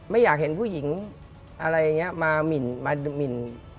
ไม่อยากเห็นผู้หญิงอะไรอย่างนี้มาหมินมาหมิน